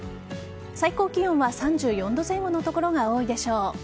最高気温は３４度前後の所が多いでしょう。